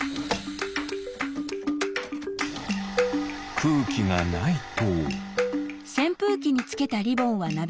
くうきがないと。